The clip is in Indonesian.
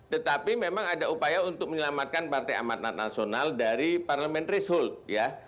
tetapi memang ada upaya untuk menyelamatkan partai amanat nasional dari parliamentary hold ya